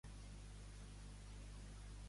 Pots compartir alguna cosa graciosa?